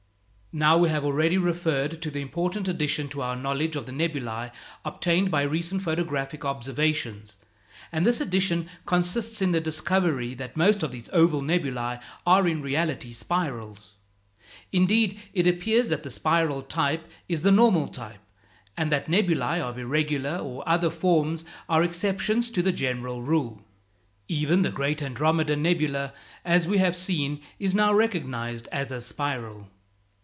Now we have already referred to the important addition to our knowledge of the nebulæ obtained by recent photographic observations; and this addition consists in the discovery that most of these oval nebulæ are in reality spirals. Indeed, it appears that the spiral type is the normal type, and that nebulæ of irregular or other forms are exceptions to the general rule. Even the great Andromeda nebula, as we have seen, is now recognized as a spiral.